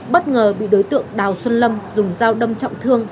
bất ngờ bị đối tượng đào xuân lâm dùng dao đâm trọng thương